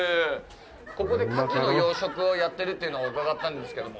ここでカキの養殖をやってるというのをうかがったんですけども。